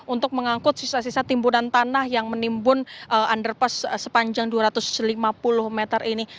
untuk mengangkut sisa sisa timbunan tanah yang menimbun underpass sepanjang dua ratus lima puluh meter ini